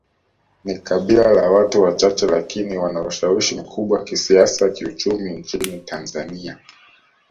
Ni kabila la watu wachache lakini wana ushawishi mkubwa kisiasa kiuchumi nchini Tanzania